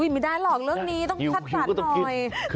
ไม่ได้หรอกเรื่องนี้ต้องคัดสรรหน่อย